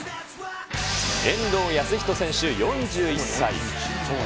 遠藤保仁選手４１歳。